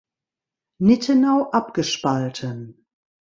Nittenau abgespalten.